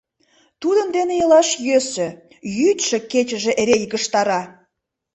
Тудын дене илаш йӧсӧ, йӱдшӧ-кечыже эре йыгыжтара...